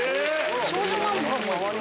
少女漫画。